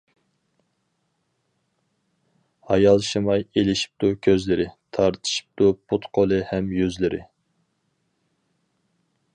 ھايالشىماي ئېلىشىپتۇ كۆزلىرى، تارتىشىپتۇ پۇت-قولى ھەم يۈزلىرى.